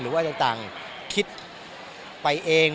หรือว่าต่างคิดไปเอง